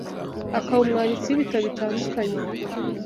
akaba umwanditsi w’ibitabo bitandukanye